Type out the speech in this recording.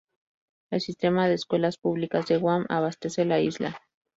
El sistema de escuelas públicas de Guam abastece la isla.